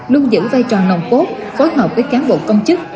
luôn giữ vai trò nồng cốt phối hợp với cán bộ công chức